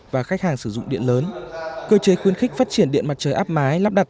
và khách hàng sử dụng điện lớn cơ chế khuyến khích phát triển điện mặt trời áp mái lắp đặt